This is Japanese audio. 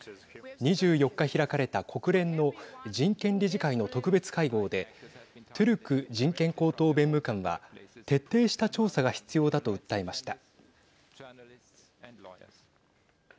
２４日、開かれた国連の人権理事会の特別会合でトゥルク人権高等弁務官は徹底した調査が必要だと訴えました。